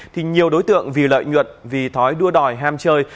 thì nhiều đối tượng vì lợi nhuận vì thói đua đòi ham chơi